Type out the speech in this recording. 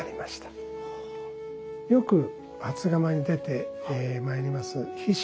よく初釜に出てまいります菱